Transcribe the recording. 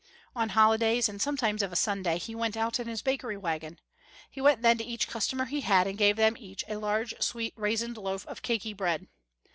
On holidays, and sometimes of a Sunday, he went out in his bakery wagon. He went then to each customer he had and gave them each a large, sweet, raisined loaf of caky bread.